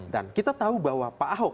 dan kita tahu bahwa pak ahok